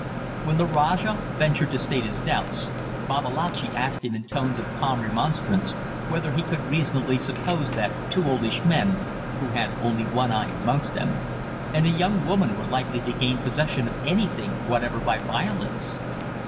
When the Rajah ventured to state his doubts, Babalatchi asked him in tones of calm remonstrance whether he could reasonably suppose that two oldish men who had only one eye amongst them and a young woman were likely to gain possession of anything whatever by violence?